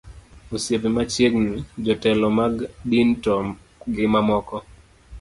osiepe machiegni, jotelo mag din to gi mamoko